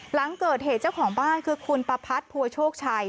หลังเกิดเหตุเจ้าของบ้านคือคุณประพัดภัวโชคชัย